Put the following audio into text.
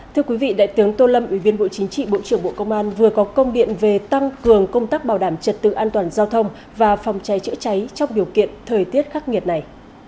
thưa quý vị đại tướng tô lâm ủy viên bộ chính trị bộ trưởng bộ công an vừa có công điện về tăng cường công tác bảo đảm trật tự an toàn giao thông và phòng cháy chữa cháy trong điều kiện thời tiết khắc nghiệt này